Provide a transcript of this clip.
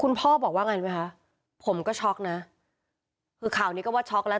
พ่อบอกว่าไงไหมคะผมก็ช็อกนะคือข่าวนี้ก็ว่าช็อกแล้ว